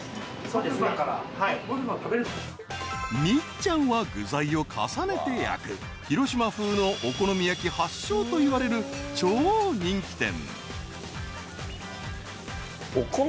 ［みっちゃんは具材を重ねて焼く広島風のお好み焼き発祥といわれる超人気店］